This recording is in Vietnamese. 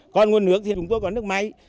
còn nguồn nước thì chúng tôi có nước máy